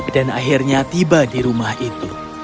dan akhirnya tiba di rumah itu